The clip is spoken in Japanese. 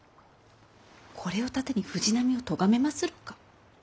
これを盾に藤波をとがめまするか？